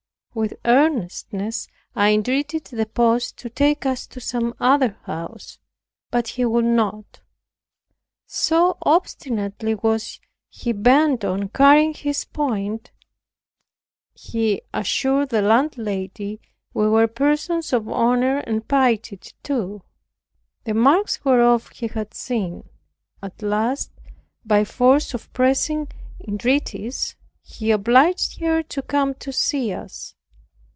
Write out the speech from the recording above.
With earnestness I entreated the post to take us to some other house, but he would not; so obstinately was he bent on carrying his point. He assured the landlady we were persons of honor and piety too; the marks whereof he had seen. At last, by force of pressing entreaties, he obliged her to come to see us.